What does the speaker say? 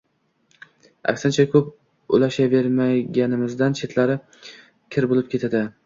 Aksincha, ko‘p ushlayverganimizdan chetlari kir bo‘lib ketadi.